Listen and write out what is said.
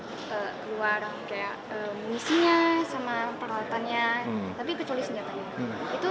keluar munisinya sama peralatannya tapi kecuali senjatanya